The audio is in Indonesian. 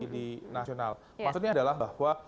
di nasional maksudnya adalah bahwa